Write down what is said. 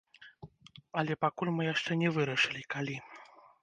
Але пакуль мы яшчэ не вырашылі, калі.